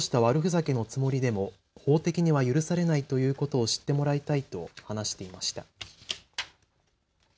ちょっとした悪ふざけのつもりでも法的には許されないということを知ってもらいたいと話していました。